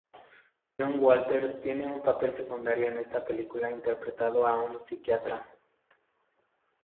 John Waters tiene un papel secundario en esta película interpretando a un psiquiatra.